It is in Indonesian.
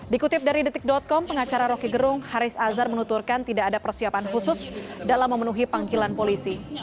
dikutip dari detik com pengacara roky gerung haris azhar menuturkan tidak ada persiapan khusus dalam memenuhi panggilan polisi